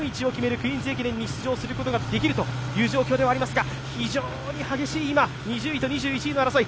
「クイーンズ駅伝」に出場することができるという状況ではありますが非常に激しい今、２０位と２１位の争い。